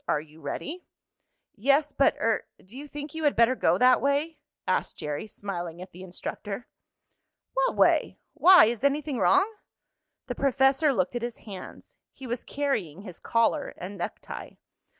Are you ready?" "Yes, but er do you think you had better go that way?" asked Jerry, smiling at the instructor. "What way? Why, is anything wrong?" The professor looked at his hands. He was carrying his collar and necktie.